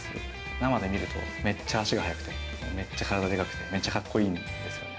生で見るとめっちゃ足が速くて、めっちゃ体でかくて、めっちゃかっこいいんですよね。